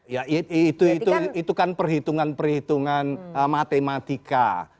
ya itu itu itu kan perhitungan perhitungan matematika